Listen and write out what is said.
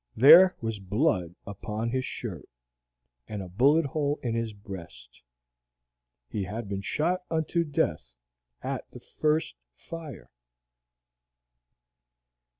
There was blood upon his shirt, and a bullet hole in his breast. He had been shot unto death at the first fire.